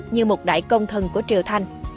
như một đại công thần của triều thanh